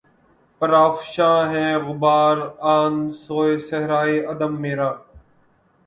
پرافشاں ہے غبار آں سوئے صحرائے عدم میرا